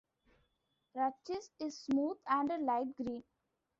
Rachis is smooth and light green.